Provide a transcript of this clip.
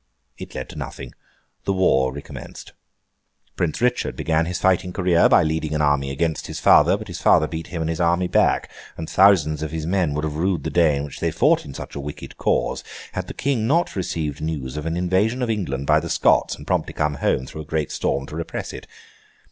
It led to nothing. The war recommenced. Prince Richard began his fighting career, by leading an army against his father; but his father beat him and his army back; and thousands of his men would have rued the day in which they fought in such a wicked cause, had not the King received news of an invasion of England by the Scots, and promptly come home through a great storm to repress it.